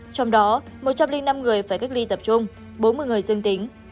trong đó một trăm linh năm người phải cách ly tập trung bốn mươi người dân tính